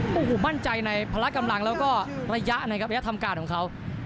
โอ้โหมั่นใจในพละกำลังแล้วก็ระยะนะครับระยะทำการของเขา